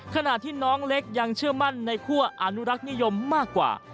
ขณะที่น้องเล็กยังเชื่อมั่นในคั่วอนุรักษ์นิยมมากกว่า